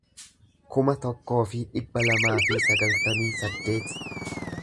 kuma tokkoo fi dhibba lamaa fi sagaltamii saddeet